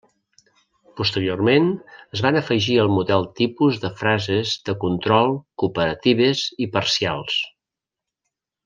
Posteriorment es van afegir al model tipus de frases de control, cooperatives i parcials.